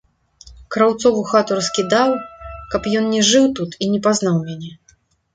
Краўцову хату раскідаў, каб ён не жыў тут і не пазнаў мяне.